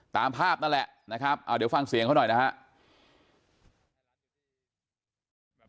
ตามภาพนั่นแหละนะครับเดี๋ยวฟังเสียงเขาหน่อยนะครับ